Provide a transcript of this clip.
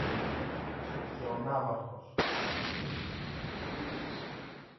Και ο ναύαρχος.